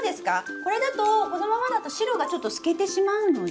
これだとこのままだと白がちょっと透けてしまうので。